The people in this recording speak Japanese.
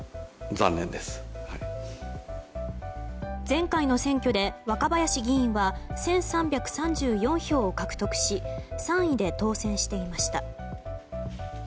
前回の選挙で若林議員は１３３４票を獲得し３位で当選していました。